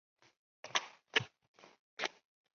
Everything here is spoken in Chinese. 水碓斗母宫里的中国式道教庙观。